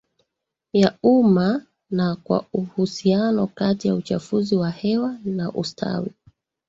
ya umma na kwaUhusiano kati ya uchafuzi wa hewa na ustawi